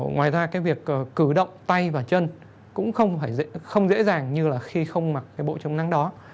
ngoài ra việc cử động tay và chân cũng không dễ dàng như khi không mặc bộ chống nắng đó